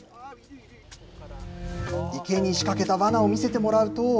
池に仕掛けたわなを見せてもらうと。